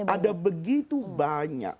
ada begitu banyak